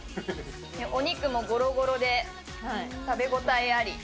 お肉もごろごろで、食べ応えあり。